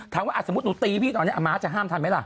ถามว่าสมมุติหนูตีพี่ตอนนี้อาม้าจะห้ามทันไหมล่ะ